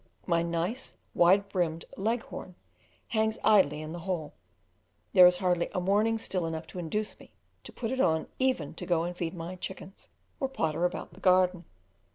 My nice, wide brimmed Leghorn hangs idly in the hall: there is hardly a morning still enough to induce me to put it on even to go and feed my chickens or potter about the garden.